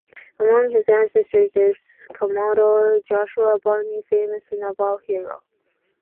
Among his ancestors is Commodore Joshua Barney famous Naval hero.